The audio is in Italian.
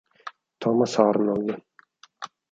Thomas Arnold